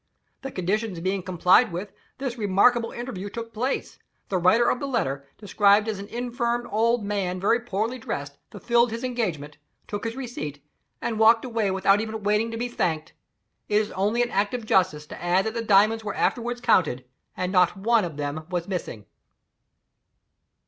The conditions being complied with, this remarkable interview took place; the writer of the letter, described as an infirm old man very poorly dressed, fulfilled his engagement, took his receipt, and walked away without even waiting to be thanked. It is only an act of justice to add that the diamonds were afterward counted, and not one of them was missing."